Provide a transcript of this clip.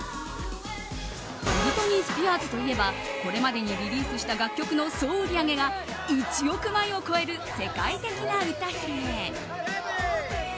ブリトニー・スピアーズといえばこれまでにリリースした楽曲の総売り上げが１億枚を超える世界的な歌姫。